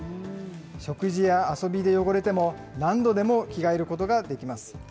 食事や遊びで汚れても、何度でも着替えることができます。